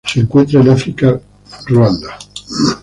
Se encuentran en África: Ruanda.